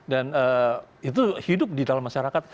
dan itu hidup di dalam masyarakat